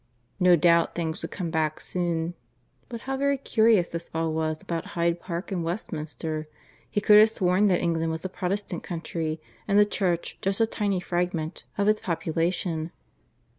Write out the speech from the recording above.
No doubt things would come back soon. But how very curious this all was about Hyde Park and Westminster. He could have sworn that England was a Protestant country, and the Church just a tiny fragment of its population.